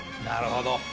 なるほど。